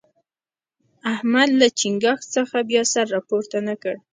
احمد له چينګاښ څخه بیا سر راپورته نه کړ.